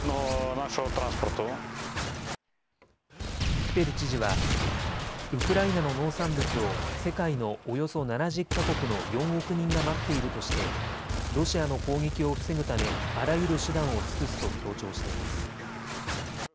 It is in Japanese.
キペル知事は、ウクライナの農産物を世界のおよそ７０か国の４億人が待っているとしてロシアの攻撃を防ぐためあらゆる手段を尽くすと強調しています。